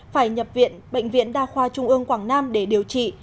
phải nhập viện bệnh viện đa khoa trung ương quảng nam để điều trị